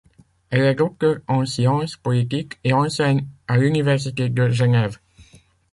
Elle est docteur en sciences politiques et enseigne à l'Université de Genève.